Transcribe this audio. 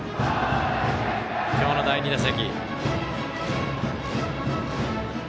今日の第２打席。